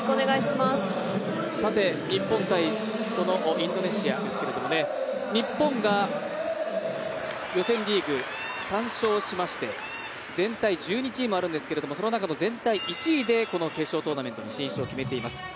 日本×インドネシアですけれども日本が予選リーグ、３勝しまして、全体１２チームあるんですけどその中で全体１位で決勝トーナメントに進出を決めています。